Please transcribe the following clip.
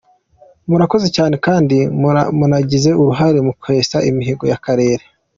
Murakoze cyane kandi munagize uruhare mu kwesa imihigo y’akarere.